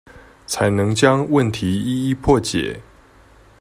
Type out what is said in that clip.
才能將問題一一破解